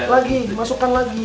lagi dimasukkan lagi